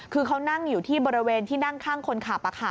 คือเขานั่งอยู่ที่บริเวณที่นั่งข้างคนขับ